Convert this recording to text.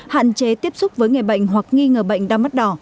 hạn chế tiếp xúc với người bệnh hoặc nghi ngờ bệnh đau mắt đỏ